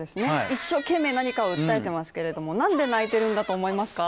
一生懸命何かを訴えていますけれども、なんで泣いているんだと思いますか？